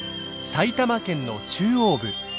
埼玉県の中央部。